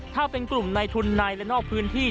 ถ้าเป็นกลุ่มในทุนในและนอกพื้นที่